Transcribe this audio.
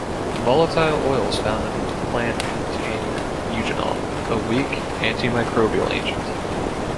Volatile oils found in the plant contain eugenol, a weak antimicrobial agent.